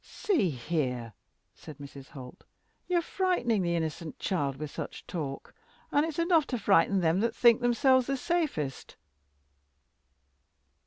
"See here," said Mrs. Holt, "you're frightening the innocent child with such talk and it's enough to frighten them that think themselves the safest."